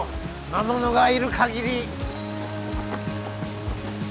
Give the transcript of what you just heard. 魔物がいる限り。